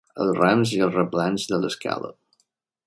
Els rams i els replans de l'escala.